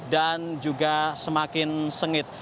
dan juga semakin sengit